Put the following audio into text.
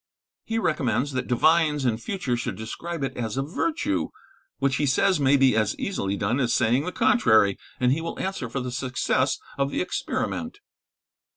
He recommends that divines in future should describe it as a virtue, which, he says, may be as easily done as saying the contrary, and he will answer for the success of the experiment.